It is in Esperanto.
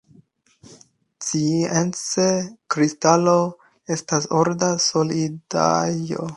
Science, kristalo estas orda solidaĵo.